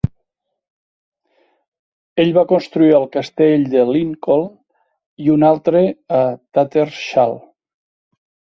Ell va construir el Castell de Lincoln i un altre a Tattershall.